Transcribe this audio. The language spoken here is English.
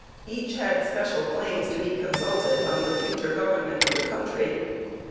Each had special claims to be consulted on the future government of the country.